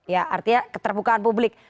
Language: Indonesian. ya artinya keterbukaan publik